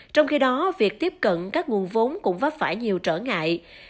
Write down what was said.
trong khi đó việc tiếp cận các nguồn vốn cũng vấp phải nhiều trở ngại